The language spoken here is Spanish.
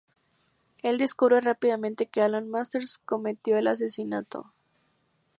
Él descubre rápidamente, que Alan Masters cometió el asesinato.